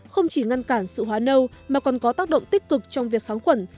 không chỉ ngăn cản sự hóa nâu mà còn có tác động tích cực trong việc kháng khuẩn